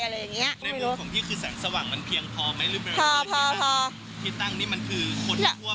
ไม่รู้หรือเปล่าไม่ทราบ